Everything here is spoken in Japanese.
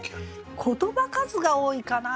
言葉数が多いかな